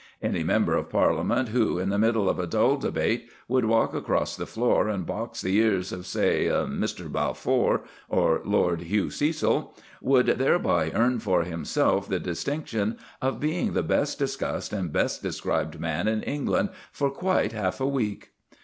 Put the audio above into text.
Any member of Parliament who, in the middle of a dull debate, would walk across the floor and box the ears of, say, Mr. Balfour, or Lord Hugh Cecil, would thereby earn for himself the distinction of being the best discussed and best described man in England for quite half a week.